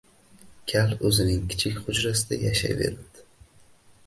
Kal o‘zining kichik hujrasida yashayveribdi